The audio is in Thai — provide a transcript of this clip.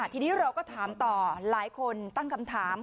ทีนี้เราก็ถามต่อหลายคนตั้งคำถาม